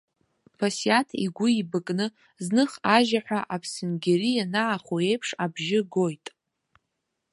Басиаҭ игәы еибакны зных ажьаҳәа аԥсынгьыры ианаахо еиԥш абжьы гоит.